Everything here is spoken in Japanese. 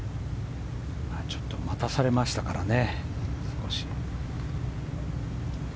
ちょっと待たされましたからね。